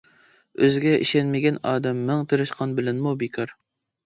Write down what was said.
ئۆزىگە ئىشەنمىگەن ئادەم مىڭ تىرىشقان بىلەنمۇ بىكار.